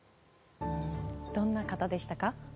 どんな方でしたか？